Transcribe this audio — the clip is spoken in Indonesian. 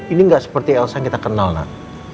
ini gak seperti elsa yang kita kenal nak